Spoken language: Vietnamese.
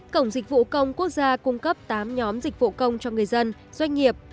cổng dịch vụ công quốc gia cung cấp tám nhóm dịch vụ công cho người dân doanh nghiệp